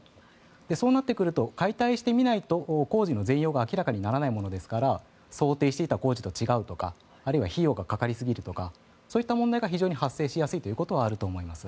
そうなってくると解体してみないと、工事の全容が明らかにならないものですから想定していた工事とは違うとかあるいは費用がかかりすぎるとかそういった問題が非常に発生しやすいということはあると思います。